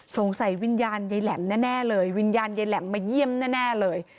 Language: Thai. วิญญาณยายแหลมแน่เลยวิญญาณยายแหลมมาเยี่ยมแน่เลย